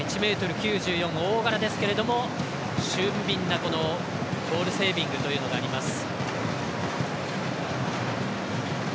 １９４ｃｍ大柄ですけども俊敏なボールセービングというのがあります。